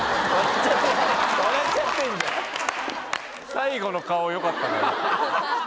最後の顔よかった。